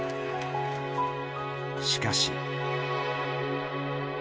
しかし。